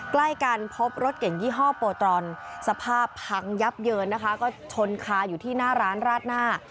ใกล้กันพบรถเก่งยี่ห้อโปตรอนสภาพพังยับเยินนะคะก็ชนคาอยู่ที่หน้าร้านราดหน้า